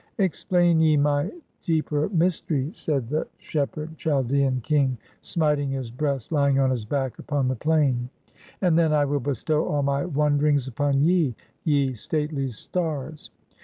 "Explain ye my deeper mystery," said the shepherd Chaldean king, smiting his breast, lying on his back upon the plain; "and then, I will bestow all my wonderings upon ye, ye stately stars!"